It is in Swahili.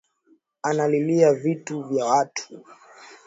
Analilia vitu vya watu